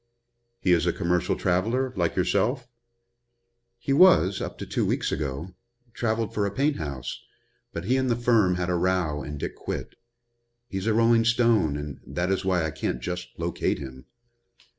"He is a commercial traveler like yourself?" "He was, up to two weeks ago. Traveled for a paint house, but he and the firm had a row and Dick quit. He's a rolling stone, and that is why I can't just locate him."